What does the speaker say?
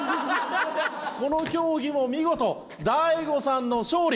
この競技も見事大悟さんの勝利。